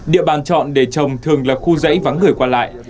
địa bàn chọn để trồng thường là khu dãy vắng người qua lại